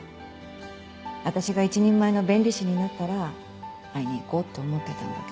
私が一人前の弁理士になったら会いに行こうと思ってたんだけど。